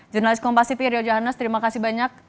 jurnalis kompasiti rio jahanas terima kasih banyak